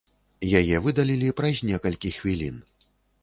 Яе выдалілі праз некалькі хвілін.